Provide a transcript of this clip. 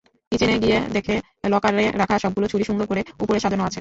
কিচেনে গিয়ে দেখে লকারে রাখা সবগুলো ছুরি সুন্দর করে ওপরে সাজানো আছে।